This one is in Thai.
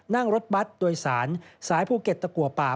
นั่งรถบัตรโดยสารสายภูเก็ตตะกัวป่า